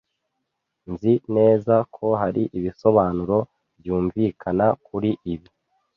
Nzi neza ko hari ibisobanuro byumvikana kuri ibi.